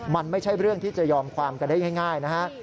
มันไม่ใช่เรื่องที่จะยอมความกันได้ง่ายนะฮะ